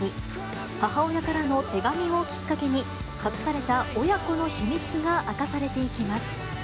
母親からの手紙をきっかけに、隠された親子の秘密が明かされていきます。